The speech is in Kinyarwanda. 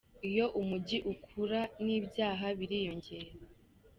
Iyo umujyi ukura n’ibyaha biriyongera